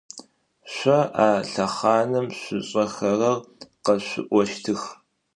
Шъо а лъэхъаным шъушӏэхэрэр къэшъуӏощтых.